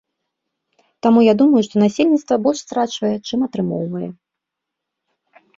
Таму я думаю, што насельніцтва больш страчвае, чым атрымоўвае.